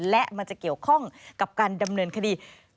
และมันจะเกี่ยวข้องกับการดำเนินคดี